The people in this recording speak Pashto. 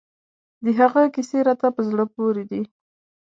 د هغه کیسې راته په زړه پورې دي.